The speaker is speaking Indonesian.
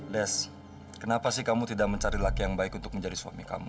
des kenapa sih kamu tidak mencari laki yang baik untuk menjadi suami kamu